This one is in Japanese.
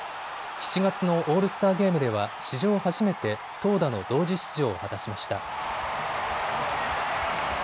７月のオールスターゲームでは史上初めて投打の同時出場を果たしました。